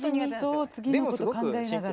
そう次のこと考えながら。